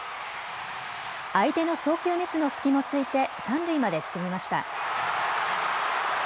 相手の送球ミスの隙もついて三塁まで進みました。